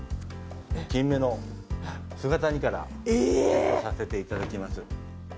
金目の姿煮から提供させていただきます。